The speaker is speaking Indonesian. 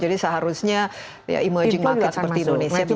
jadi seharusnya emerging market seperti indonesia bisa masuk